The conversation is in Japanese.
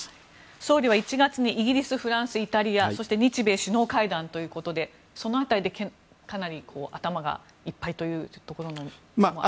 総理は１月にイギリス、フランス、イタリアそして日米首脳会談ということでその辺りでかなり頭がいっぱいというところもあるんでしょうか？